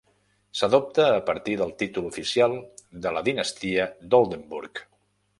S'adopta a partir del títol oficial de la dinastia d'Oldenburg.